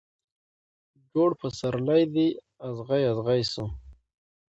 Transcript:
جوړ پسرلی دي اغزی اغزی سو